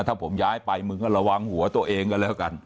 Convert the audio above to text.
ถ้าผมย้ายไปมึงก็ระวังหัวตัวเองก็แล้วกัน